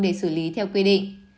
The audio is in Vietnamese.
để xử lý theo quy định